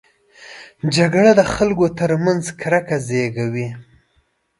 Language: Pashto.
جګړه د خلکو ترمنځ کرکه زېږوي